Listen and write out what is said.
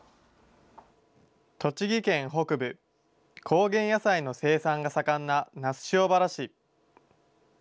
栃木県北部、高原野菜の生産が盛んな那須塩原市。